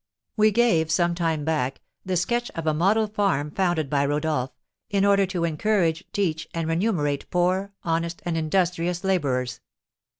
We gave, some time back, the sketch of a model farm founded by Rodolph, in order to encourage, teach, and remunerate poor, honest, and industrious labourers.